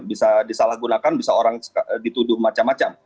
bisa disalahgunakan bisa orang dituduh macam macam